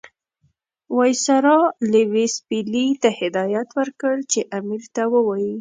وایسرا لیویس پیلي ته هدایت ورکړ چې امیر ته ووایي.